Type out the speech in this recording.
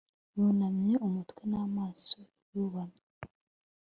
yunamye umutwe n'amaso yubamye